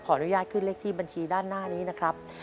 อนุญาตขึ้นเลขที่บัญชีด้านหน้านี้นะครับ